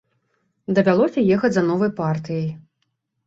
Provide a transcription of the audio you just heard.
Давялося ехаць за новай партыяй.